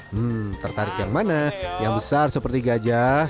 hmm tertarik yang mana yang besar seperti gajah